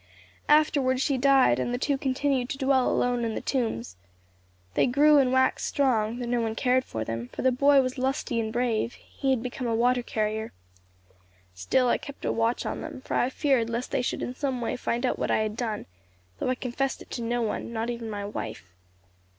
Afterward she died, and the two continued to dwell alone in the tombs. They grew and waxed strong though no one cared for them, for the boy was lusty and brave; he had become a water carrier. Still I kept a watch upon them, for I feared lest they should in some way find out what I had done; though I confessed it to no one, not even my wife.